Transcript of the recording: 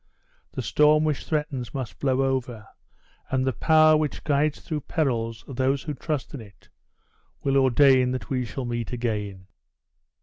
The storm which threatens must blow over, and the power which guides through perils those who trust in it, will ordain that we shall meet again!"